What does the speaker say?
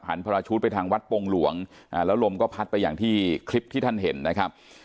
พระราชุดไปทางวัดโปรงหลวงแล้วลมก็พัดไปอย่างที่คลิปที่ท่านเห็นนะครับ